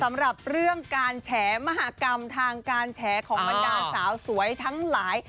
สำหรับเรื่องการแฉมหากรรมทางการแฉของบรรดาสาวสวยทั้งหลาย